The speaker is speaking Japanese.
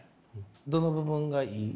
どの部分がいい？